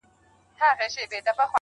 تامي د خوښۍ سترگي راوباسلې مړې دي كړې_